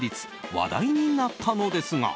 話題になったのですが。